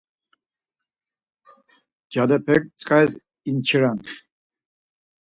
Ncalepek tzǩaris inçiran.